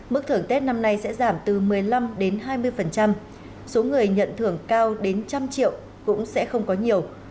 mức thưởng tết năm nay sẽ giảm từ một mươi năm hai mươi số người nhận thưởng cao đến một trăm linh triệu cũng sẽ không có nhiều